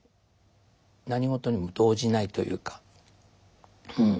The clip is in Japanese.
何事にも動じないというかうん。